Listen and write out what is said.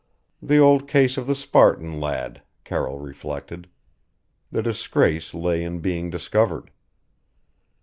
The old case of the Spartan lad Carroll reflected. The disgrace lay in being discovered.